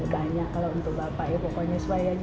banyak loh untuk bapak ya pokoknya